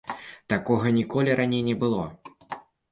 Такога ніколі раней не было.